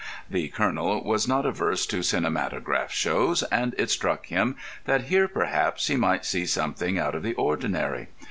The Colonel was not averse to cinematograph shows, and it struck him that here, perhaps, he might see something out of the ordinary.